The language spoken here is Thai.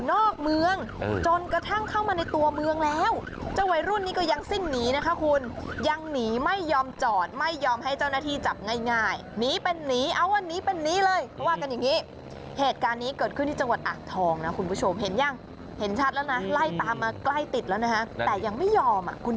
เหมือนไล่ล่ากันตอนถ่ายหนังอ่ะคุณ